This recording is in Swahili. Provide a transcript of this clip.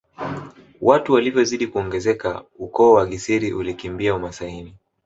Watu walivyozidi kuongezeka ukoo wa Gisiri ulikimbilia umasaini